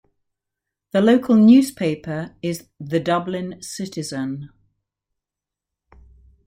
The local newspaper is "The Dublin Citizen".